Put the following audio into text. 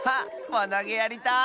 わなげやりたい！